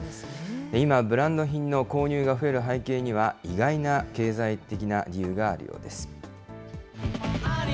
今、ブランド品の購入が増える背景には、意外な経済的な理由があるようです。